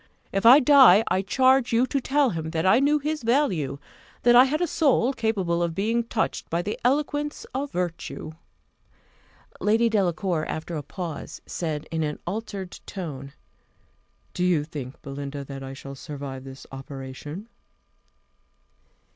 If I die, I charge you to tell him that I knew his value; that I had a soul capable of being touched by the eloquence of virtue." Lady Delacour, after a pause, said, in an altered tone, "Do you think, Belinda, that I shall survive this operation?"